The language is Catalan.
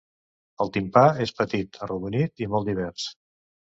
El timpà és petit, arrodonit i molt divers.